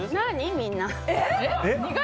みんな。